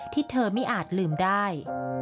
ที่เธอไม่อาจลืมได้